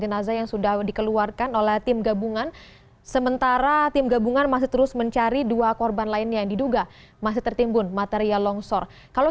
jenazah yang sudah dikeluarkan oleh tim gabungan sementara tim gabungan masih terus mencari dua korban lainnya yang diduga masih tertimbun material longsor